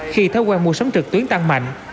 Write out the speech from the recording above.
khi thói quen mua sống trực tuyến tăng mạnh